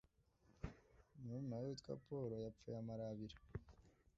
murumuna we witwa Paul yapfuye amarabira